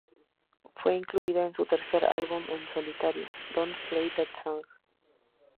Fue incluida en su tercer álbum en solitario, "Don't Play That Song!